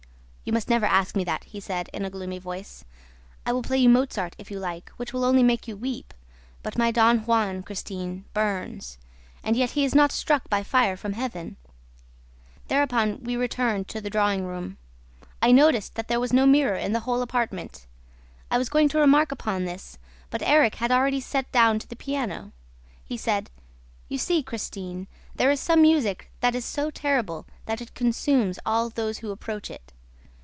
'You must never ask me that,' he said, in a gloomy voice. 'I will play you Mozart, if you like, which will only make you weep; but my Don Juan, Christine, burns; and yet he is not struck by fire from Heaven.' Thereupon we returned to the drawing room. I noticed that there was no mirror in the whole apartment. I was going to remark upon this, but Erik had already sat down to the piano. He said, 'You see, Christine, there is some music that is so terrible that it consumes all those who approach it.